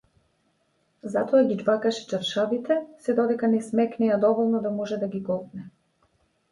Затоа ги џвакаше чаршафите сѐ додека не смекнеа доволно да може да ги голтне.